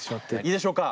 いいでしょうか？